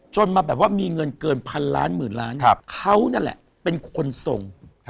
มาแบบว่ามีเงินเกินพันล้านหมื่นล้านเขานั่นแหละเป็นคนส่ง